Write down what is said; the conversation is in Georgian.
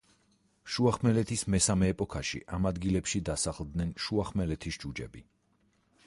შუახმელეთის მესამე ეპოქაში ამ ადგილებში დასახლდნენ შუახმელეთის ჯუჯები.